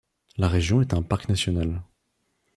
La région est un parc national.